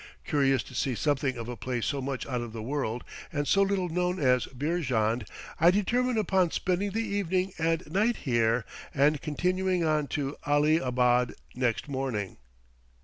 Curious to see something of a place so much out of the world, and so little known as Beerjand, I determine upon spending the evening and night here, and continuing on to Ali abad next morning.